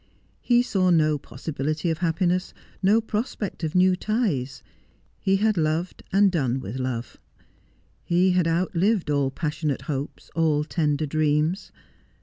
He saw no possibility of happiness, 254 Just as I Am. no prospect of new ties. He had loved and done with love. He had outlived all passionate hopes, all tender dreams.